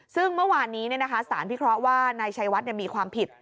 ซึ่งเมื่อวานนี้สารพิเคราะห์ว่านายชัยวัดมีความผิด